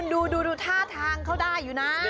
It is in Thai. ดูท่าทางเขาได้อยู่นะ